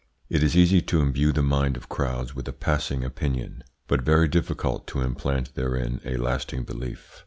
It is easy to imbue the mind of crowds with a passing opinion, but very difficult to implant therein a lasting belief.